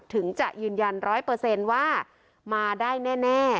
ถึงจะยืนยันร้อยเปอร์เซ็นต์ว่ามาได้แน่